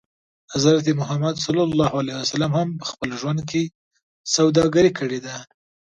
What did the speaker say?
حضرت محمد ص هم په خپل ژوند کې سوداګري کړې ده.